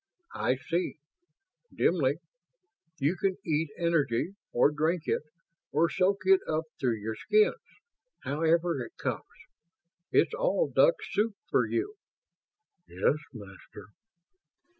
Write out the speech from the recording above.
"I see ... dimly. You can eat energy, or drink it, or soak it up through your skins. However it comes, it's all duck soup for you." "Yes, Master."